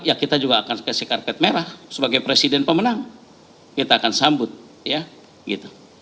ya kita juga akan kasih karpet merah sebagai presiden pemenang kita akan sambut ya gitu